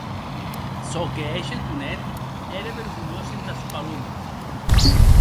Çò que hège Tonet ère vergonhós entàs Palomes.